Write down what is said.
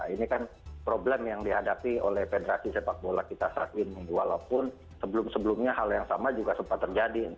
ini kan problem yang dihadapi oleh federasi sepak bola kita saat ini walaupun sebelum sebelumnya hal yang sama juga sempat terjadi